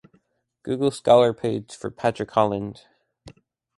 Google Scholar Page for Patrick Holland